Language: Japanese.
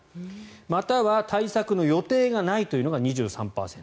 または対策の予定がないというのが２３％。